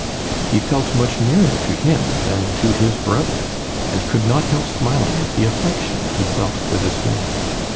He felt much nearer to him than to his brother, and could not help smiling at the affection he felt for this man.